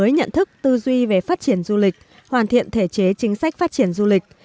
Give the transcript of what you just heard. nhận thức tư duy về phát triển du lịch hoàn thiện thể chế chính sách phát triển du lịch